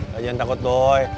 jangan takut doi